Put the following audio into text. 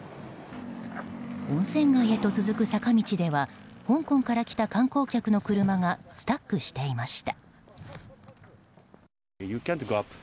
温泉街へと続く坂道では香港から来た観光客の車がスタックしていました。